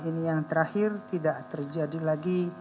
ini yang terakhir tidak terjadi lagi